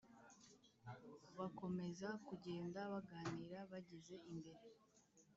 bakomeza kugenda baganira bageze imbere